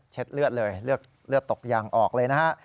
เลือดเลยเลือดตกยางออกเลยนะฮะ